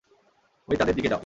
ঐ তাদের দিকে যাও।